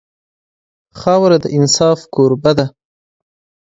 خاوره د انصاف کوربه ده.